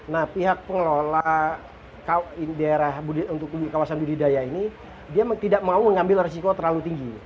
nah pihak pengelola daerah untuk kawasan budidaya ini dia tidak mau mengambil resiko terlalu tinggi